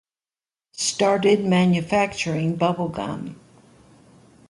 Started manufacturing Bubble Gum.